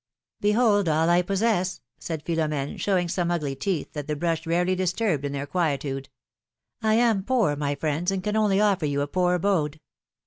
Behold, all I possess ! said Philom^ne, showing some ugly teeth that the brush rarely disturbed in their quiet ude. I am poor, my friends, and can only offer you a poor abode.